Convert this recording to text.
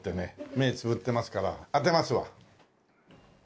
目ぇつぶってますから当てますわ。